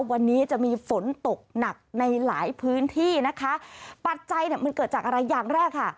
วันนี้จะมีฝนตกหนักในหลายพื้นที่นะคะปัจจัยเนี่ยมันเกิดจากอะไรอย่างแรกค่ะ